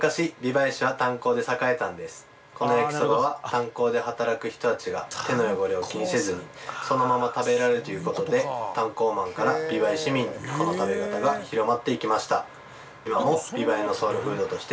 この焼きそばは炭鉱で働く人たちが手の汚れを気にせずに炭鉱マンから美唄市民にこの食べ方が広まっていきました。